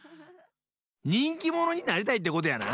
にんきものになりたいってことやな？